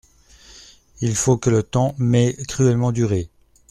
Il faut que le temps m'ait cruellement duré.